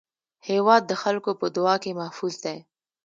هېواد د خلکو په دعا کې محفوظ دی.